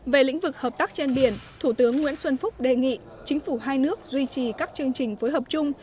về lĩnh vực hợp tác trên biển thủ tướng nguyễn xuân phúc đề nghị chính phủ hai nước duy trì các chương trình phối hợp chung